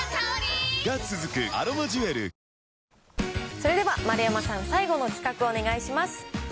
それでは丸山さん、最後の企画をお願いします。